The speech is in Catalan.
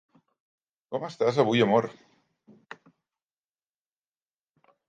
Com estàs avui amor?